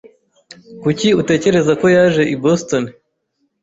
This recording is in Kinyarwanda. Kuki utekereza ko yaje i Boston?